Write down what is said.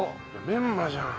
メンマじゃん。